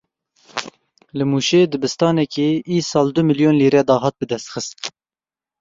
Li Mûşê dibistanekê îsal du milyon lîre dahat bi dest xist.